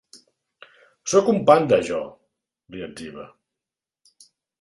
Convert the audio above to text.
“Sóc un panda, jo”, li etziba.